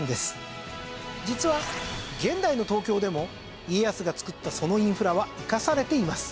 実は現代の東京でも家康がつくったそのインフラは生かされています。